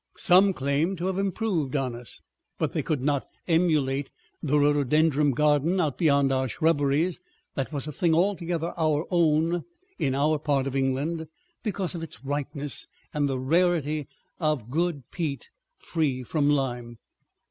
Some claimed to have improved on us. But they could not emulate the rhododendron garden out beyond our shrubberies; that was a thing altogether our own in our part of England, because of its ripeness and of the rarity of good peat free from lime.